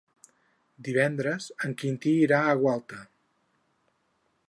Divendres en Quintí irà a Gualta.